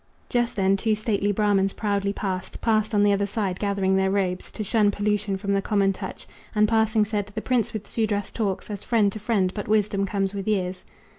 Just then two stately Brahmans proudly passed Passed on the other side, gathering their robes To shun pollution from the common touch, And passing said: "The prince with Sudras talks As friend to friend but wisdom comes with years."